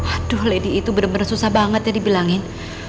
aduh lady itu bener bener susah banget ya dibilangin